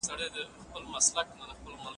هغه د عربي ژبې په اړه خبري کولای.